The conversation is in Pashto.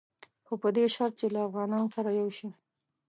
خو په دې شرط چې له افغانانو سره یو شي.